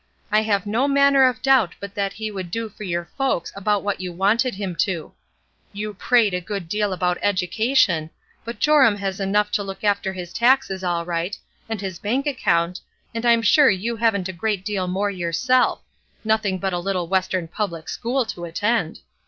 I have no manner of doubt but that he would do for your folks about what you wanted him to. You prate a great deal about education; but Joram has enough to look after his taxes all right, and his bank account, and I'm sure you haven't a great deal more yourself — nothing but a little Western public school to attend.